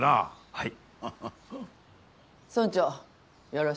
はい。